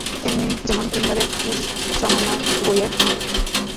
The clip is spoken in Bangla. এমনি যেমন, টিন্ডারের জমানায়, বইয়ে লুকিয়ে পাঠানো প্রেমপত্র।